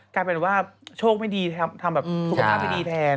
กลายเป็นว่าโชคไม่ดีทำแบบสุขภาพไม่ดีแทน